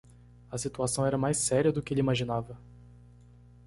A situação era mais séria do que ele imaginava.